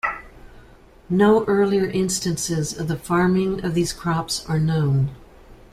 No earlier instances of the farming of these crops are known.